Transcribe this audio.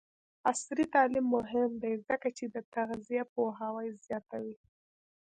عصري تعلیم مهم دی ځکه چې د تغذیه پوهاوی زیاتوي.